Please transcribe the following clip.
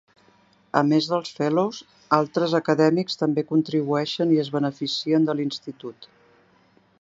A més dels Fellows, altres acadèmics també contribueixen i es beneficien de l'Institut.